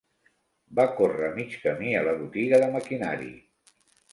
Va córrer mig camí a la botiga de maquinari.